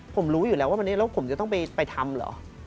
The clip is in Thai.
ผมรู้อยู่แล้วว่าผมจะต้องไปทำเหรอ